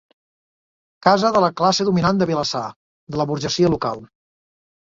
Casa de la classe dominant de Vilassar, de la burgesia local.